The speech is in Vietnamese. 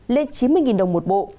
lên chín mươi đồng một bộ